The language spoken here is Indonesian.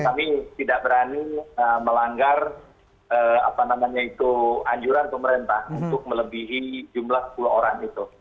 kami tidak berani melanggar anjuran pemerintah untuk melebihi jumlah sepuluh orang itu